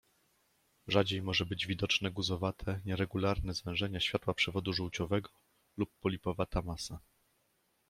Rzadziej może być widoczne guzowate, nieregularne zwężenia światła przewodu żółciowego lub polipowata masa.